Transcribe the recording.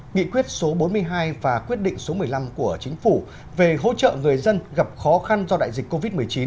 nghị quyết số bốn mươi hai và quyết định số một mươi năm của chính phủ về hỗ trợ người dân gặp khó khăn do đại dịch covid một mươi chín